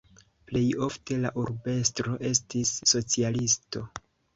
Plej ofte la urbestro estis socialisto.